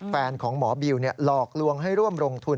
แฟนของหมอบิวหลอกลวงให้ร่วมลงทุน